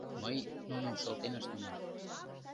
— Мый нуным шылтен ашненам...